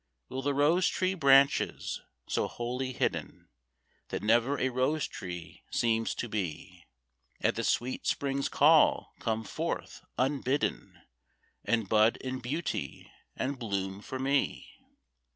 Will the rose tree branches, so wholly hidden That never a rose tree seems to be, At the sweet Spring's call come forth unbidden, And bud in beauty, and bloom for me?